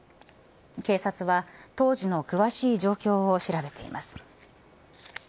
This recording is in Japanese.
警察は当時の詳しい状況を調べています。